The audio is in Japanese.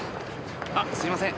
あっすいません。